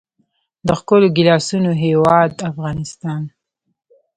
د ښکلو ګیلاسونو هیواد افغانستان.